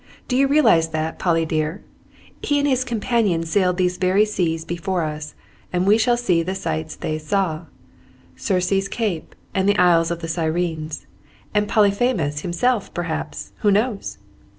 "Do you realize that, Polly dear? He and his companions sailed these very seas before us, and we shall see the sights they saw, Circe's Cape and the Isles of the Sirens, and Polyphemus himself, perhaps, who knows?"